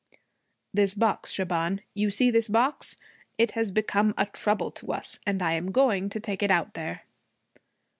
'This box, Shaban you see this box? It has become a trouble to us, and I am going to take it out there.'